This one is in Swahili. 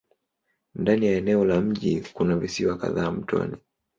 Ndani ya eneo la mji kuna visiwa kadhaa mtoni.